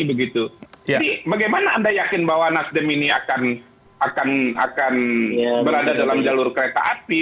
ini bagaimana anda yakin bahwa nasdem ini akan berada dalam jalur kereta api